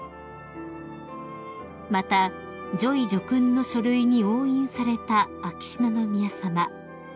［また叙位叙勲の書類に押印された秋篠宮さま］